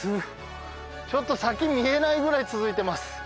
ちょっと先見えないくらい続いてます。